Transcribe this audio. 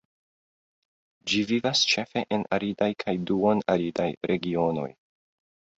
Ĝi vivas ĉefe en aridaj kaj duon-aridaj regionoj.